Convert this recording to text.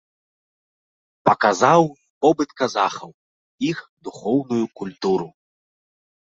Паказаў побыт казахаў, іх духоўную культуру.